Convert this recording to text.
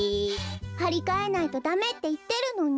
はりかえないとダメっていってるのに！